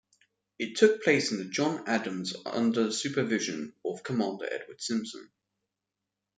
It took place in the John Adams under the supervision of Commander Edward Simpson.